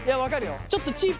ちょっとチープなもの